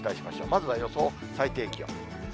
まずは予想最低気温。